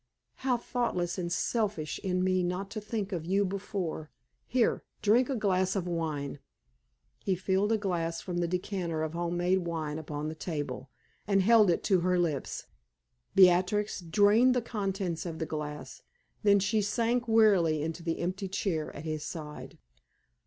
How thoughtless and selfish in me not to think of you before. Here, drink a glass of wine!" He filled a glass from the decanter of home made wine upon the table, and held it to her lips. Beatrix drained the contents of the glass; then she sank wearily into the empty chair at his side.